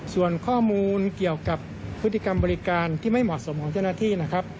ส่วนข้อมูลเกี่ยวกับพฤติกรรมบริการที่ไม่เหมาะสมของเจ้าหน้าที่นะครับ